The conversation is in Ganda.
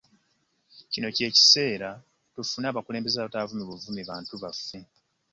Kino ky'ekiseera tufune abakulembeze abataavume buvumi bantu baffe.